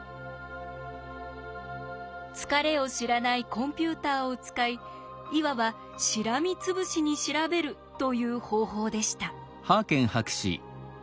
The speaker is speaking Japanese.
疲れを知らないコンピューターを使いいわばしらみつぶしに調べるという方法でした。